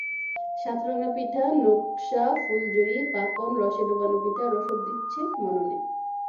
সাতরঙা পিঠা, নকশা, ফুলঝুরি, পাকন, রসে ডুবানো পিঠা রসদ দিচ্ছে মননে।